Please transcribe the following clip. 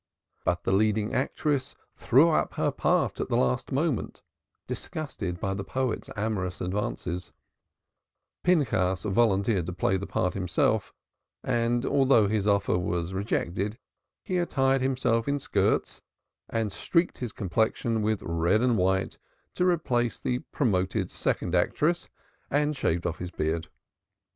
But the leading actress threw up her part at the last moment, disgusted by the poet's amorous advances; Pinchas volunteered to play the part himself and, although his offer was rejected, he attired himself in skirts and streaked his complexion with red and white to replace the promoted second actress, and shaved off his beard.